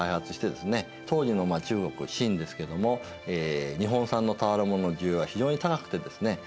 当時の中国清ですけども日本産の俵物の需要が非常に高くてですね